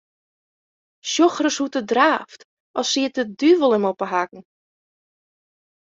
Sjoch ris hoe't er draaft, as siet de duvel him op 'e hakken.